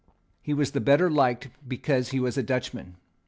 He was the better liked because he was a Dutchman.